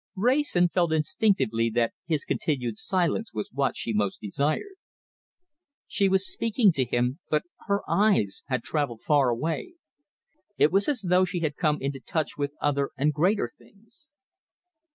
Wrayson felt instinctively that his continued silence was what she most desired. She was speaking to him, but her eyes had travelled far away. It was as though she had come into touch with other and greater things.